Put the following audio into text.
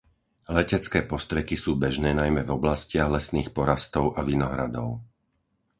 Letecké postreky sú bežné najmä v oblastiach lesných porastov a vinohradov.